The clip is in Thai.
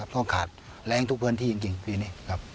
ต้องขาดแรงทุกพื้นที่จริงปีนี้ครับ